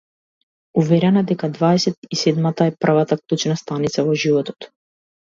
Уверена дека дваесет и седмата е првата клучна станица во животот.